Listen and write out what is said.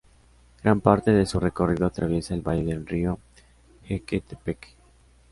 Gran parte de su recorrido atraviesa el valle del río Jequetepeque.